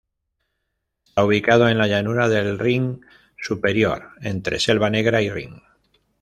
Está ubicado en la llanura del Rin Superior entre Selva Negra y Rin.